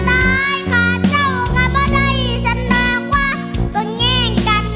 จนฮอดมือตายได้สำนีกกับพ่อ